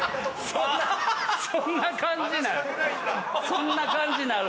そんな感じなん？